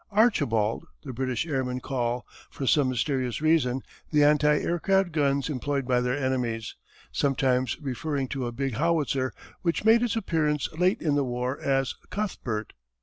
"Archibald," the British airmen call, for some mysterious reason, the anti aircraft guns employed by their enemies, sometimes referring to a big howitzer which made its appearance late in the war as "Cuthbert."